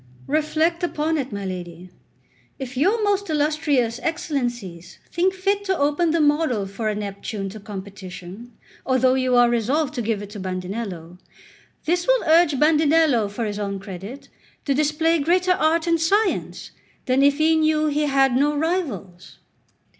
Reflect upon it, my lady; if your most illustrious Excellencies think fit to open the model for a Neptune to competition, although you are resolved to give it to Bandinello, this will urge Bandinello for his own credit to display greater art and science than if he knew he had no rivals.